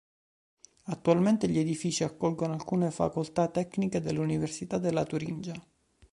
Attualmente gli edifici accolgono alcune facoltà tecniche dell'Università della Turingia.